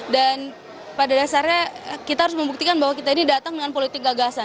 dan pada dasarnya kita harus membuktikan bahwa kita ini datang dengan politik galau